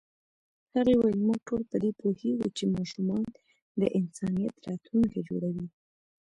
هغې وویل موږ ټول په دې پوهېږو چې ماشومان د انسانیت راتلونکی جوړوي.